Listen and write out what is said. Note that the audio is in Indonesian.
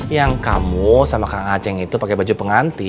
yang kamu sama kang aceh itu pake baju pengantin